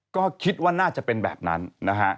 ก็คิดว่าน่าจะเป็นแบบนั้นนะฮะ